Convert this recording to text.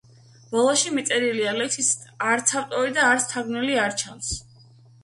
ბოლოში მიწერილია: ლექსის არც ავტორი და არც მთარგმნელი არ ჩანს.